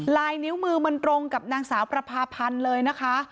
ลายนิ้วมือมันตรงกับนางสาวประพาพันธ์เลยนะคะ